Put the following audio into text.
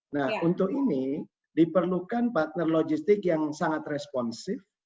nah untuk ini diperlukan partner logistik yang sangat responsif